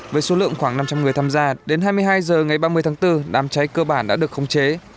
với số lượng khoảng năm trăm linh người tham gia đến hai mươi hai h ngày ba mươi tháng bốn đám cháy cơ bản đã được khống chế